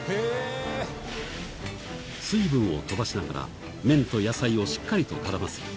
水分を飛ばしながら麺と野菜をしっかりと絡ませ